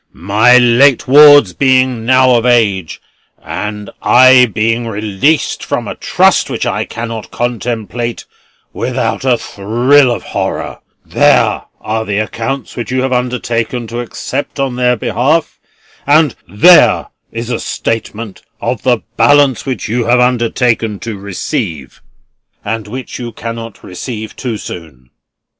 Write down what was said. My late wards being now of age, and I being released from a trust which I cannot contemplate without a thrill of horror, there are the accounts which you have undertaken to accept on their behalf, and there is a statement of the balance which you have undertaken to receive, and which you cannot receive too soon.